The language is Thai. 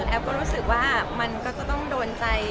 ก็รู้สึกว่ามันก็จะต้องโดนใจ